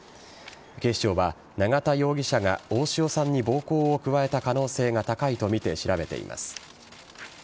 警視庁は永田容疑者が大塩さんに暴行を加えた可能性が高いとみて調べています。